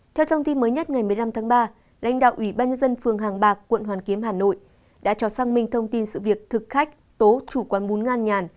theo thông tin mới nhất ngày một mươi năm tháng ba lãnh đạo ủy ban nhân dân phường hàng bạc quận hoàn kiếm hà nội đã cho xác minh thông tin sự việc thực khách tố chủ quán bún ngan nhàn